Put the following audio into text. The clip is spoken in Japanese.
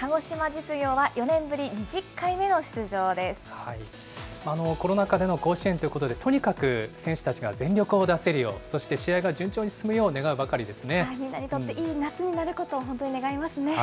鹿児島実業は４年ぶり２０回目のコロナ禍での甲子園ということで、とにかく選手たちが全力を出せるよう、そして試合が順調にみんなにとっていい夏になることを本当に願いますね。